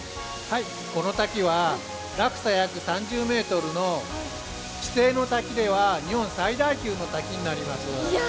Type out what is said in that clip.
この滝は落差約３０ｍの地底の滝では日本最大級の滝になります。